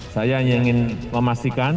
saya hanya ingin memastikan